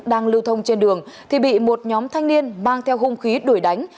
đang lưu thông trên đường thì bị một nhóm thanh niên mang theo hung khí đuổi đánh